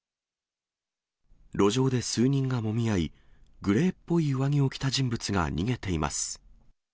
路上で数人がもみ合い、グレーっぽい上着を着た人物が逃げています。